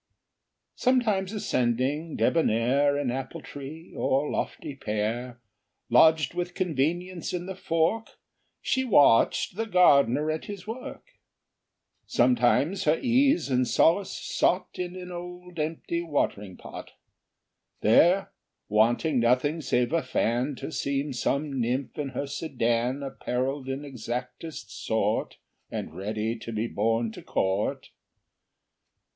Sometimes ascending, debonair, An apple tree, or lofty pear, Lodged with convenience in the fork, She watched the gardener at his work; Sometimes her ease and solace sought In an old empty watering pot, There wanting nothing, save a fan, To seem some nymph in her sedan, Appareled in exactest sort, And ready to be borne to court.